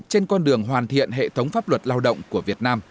trên con đường hoàn thiện hệ thống pháp luật lao động của việt nam